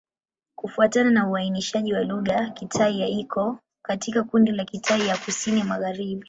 Kufuatana na uainishaji wa lugha, Kitai-Ya iko katika kundi la Kitai ya Kusini-Magharibi.